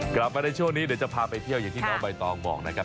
กลับมาในช่วงนี้เดี๋ยวจะพาไปเที่ยวอย่างที่น้องใบตองบอกนะครับ